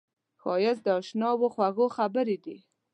ښایست د اشناوو خوږې خبرې دي